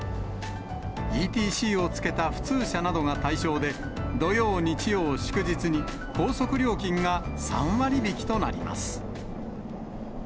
ＥＴＣをつけた普通車などが対象で、土曜、日曜、祝日に高速料金が３割引きとなります。